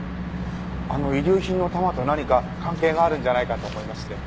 あの遺留品の玉と何か関係があるんじゃないかと思いまして。